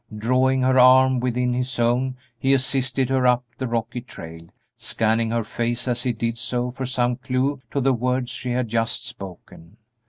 Drawing her arm within his own he assisted her up the rocky trail, scanning her face as he did so for some clew to the words she had just spoken.